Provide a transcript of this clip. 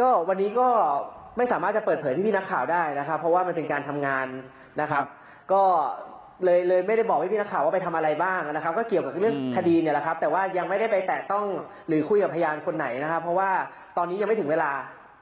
ก็วันนี้ก็ไม่สามารถจะเปิดเผยพี่นักข่าวได้นะครับเพราะว่ามันเป็นการทำงานนะครับก็เลยเลยไม่ได้บอกให้พี่นักข่าวว่าไปทำอะไรบ้างนะครับก็เกี่ยวกับเรื่องคดีเนี่ยแหละครับแต่ว่ายังไม่ได้ไปแตะต้องหรือคุยกับพยานคนไหนนะครับเพราะว่าตอนนี้ยังไม่ถึงเวลา